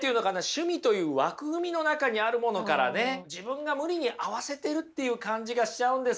趣味という枠組みの中にあるものからね自分が無理に合わせてるっていう感じがしちゃうんですけどどうですか？